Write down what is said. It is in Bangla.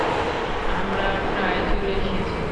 আমরা প্রায় চলে এসেছি।